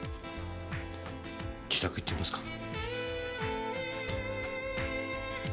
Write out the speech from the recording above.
自宅行ってみますか。